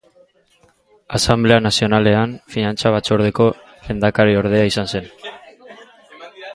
Asanblea Nazionalean Finantza batzordeko lehendakariordea izan zen.